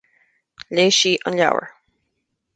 Léigh sí an leabhar.